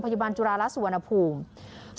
พยาบาลจุฬาละสวนภูมิ